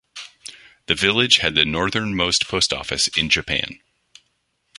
The village had the northernmost post office in Japan.